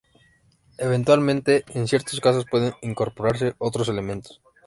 Eventualmente, en ciertos casos pueden incorporarse otros elementos.